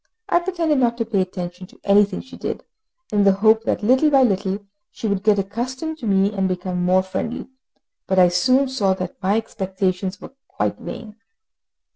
I pretended not to pay attention to anything she did, in the hope that little by little she would get accustomed to me, and become more friendly; but I soon saw that my expectations were quite vain.